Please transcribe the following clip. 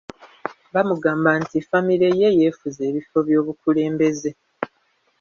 Bamugamba nti famire ye yeefuze ebifo by’obukulembeze.